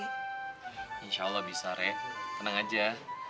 insya allah bisa rek tenang aja